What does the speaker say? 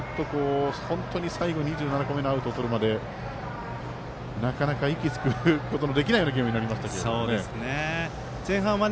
ちょっと、本当に最後２７個目のアウトをとるまでなかなか、息つくことのできないゲームになりました。